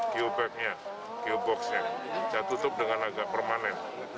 geobag nya geobox nya dan tutup dengan agak permanen